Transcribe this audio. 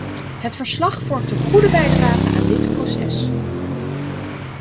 Het verslag vormt een goede bijdrage aan dit proces.